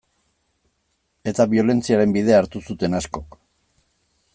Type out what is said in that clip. Eta biolentziaren bidea hartu zuten askok.